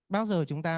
bao giờ chúng ta